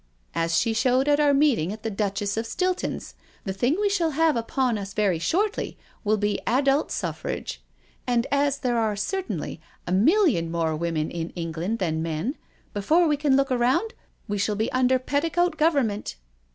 As she showed at our meeting at the Duchess of Stilton's, the thing we shall have upon us very shortly will be adult suffrage, and as there are certainly a million more women in England than men, before we can look round we shall be under petticoat government.